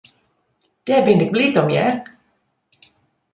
Dêr bin ik bliid om, hear.